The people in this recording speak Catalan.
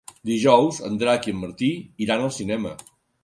Dijous en Drac i en Martí iran al cinema.